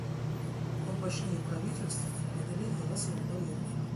Он мощнее правительств в преодолении расовых барьеров.